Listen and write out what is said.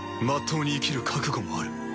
まっとうに生きる覚悟もある。